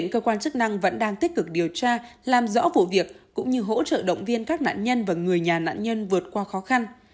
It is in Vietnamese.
cơ quan chức năng vẫn đang tích cực điều tra làm rõ vụ việc cũng như hỗ trợ động viên các nạn nhân và người nhà nạn nhân vượt qua khó khăn